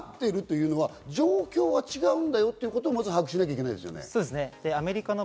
それになっているというのは、状況は違うんだよということを把握しなきゃいけないですね。